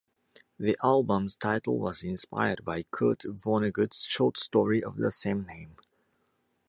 The album's title was inspired by Kurt Vonnegut's short story of the same name.